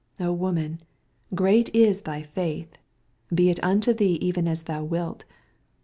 ^^ woman, great is thy faith : be it unto thee even as thou wilt."